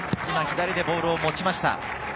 今、左へボールを持ちました。